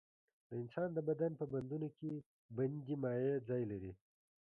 د انسان د بدن په بندونو کې بندي مایع ځای لري.